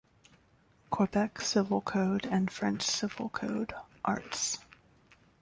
Quebec Civil Code and French Civil Code, arts.